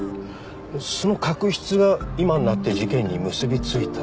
その確執が今になって事件に結び付いた。